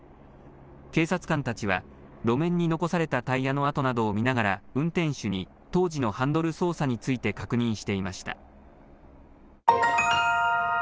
警察官たちは、路面に残されたタイヤの跡などを見ながら、運転手に当時のハンドル操作について確認していました。